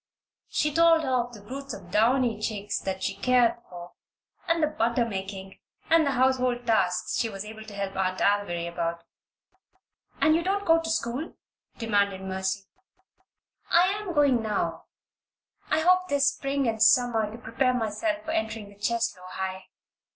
She told her of the broods of downy chicks that she cared for, and the butter making, and the household tasks she was able to help Aunt Alviry about. "And don't you go to school?" demanded Mercy. "I am going now. I hope this spring and summer to prepare myself for entering the Cheslow High."